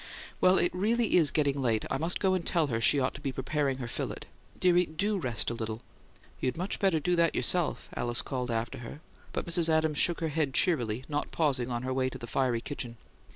Well, it really is getting late: I must go and tell her she ought to be preparing her fillet. Dearie, DO rest a little." "You'd much better do that yourself," Alice called after her, but Mrs. Adams shook her head cheerily, not pausing on her way to the fiery kitchen.